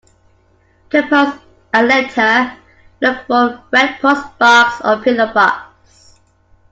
To post a letter, look for a red postbox or pillar box